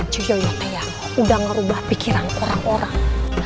cuyoyo tuh yang udah ngerubah pikiran orang orang